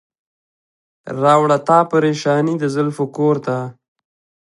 راوړه تا پریشاني د زلفو کور ته.